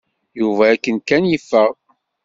Yuba akken kan yeffeɣ.